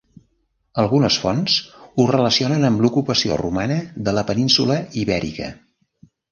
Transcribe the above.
Algunes fonts ho relacionen amb l'ocupació romana de la península Ibèrica.